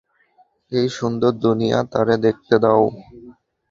এই সুন্দর দুনিয়া তারে দেখতে দাও।